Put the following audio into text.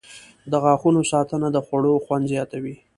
• د غاښونو ساتنه د خوړو خوند زیاتوي.